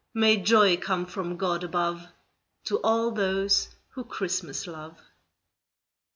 May joy come from God above, To all those who Christmas love.